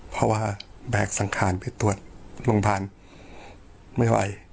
เพราะว่าแบกสังขารไปตรวจโรงพยาบาลไม่ไหว